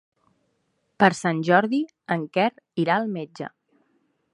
Per Sant Jordi en Quer irà al metge.